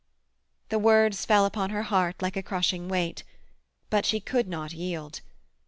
The words fell upon her heart like a crushing weight. But she could not yield.